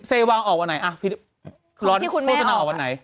เซวางออกวันไหนร้อนโฆษณาออกวันไหน